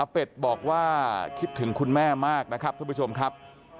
เป็ดบอกว่าคิดถึงคุณแม่มากนะครับท่านผู้ชมครับ